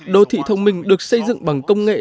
đô thị thông minh được xây dựng bằng công nghệ